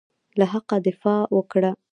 له حقه دفاع وکړه.